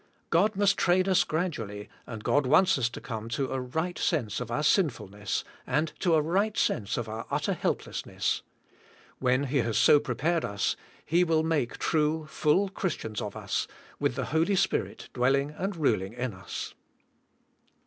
God must train us gradually, and God wants us to come to a right sense of our sinfulness and to a right sense of our utter helplessness; when He has so prepared us. He will make true, full Christians of us, with the Holy Spirit dwelling and ruling in us.